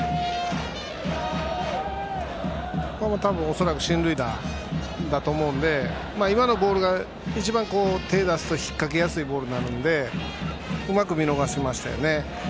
恐らく進塁打だと思うので今のボールが一番、手を出すと引っ掛けやすいボールなのでうまく見逃しましたね。